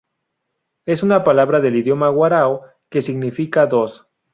Es una palabra del idioma warao que significa "dos".